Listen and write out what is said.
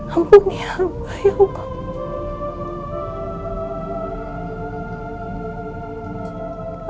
ampuni hamba ya allah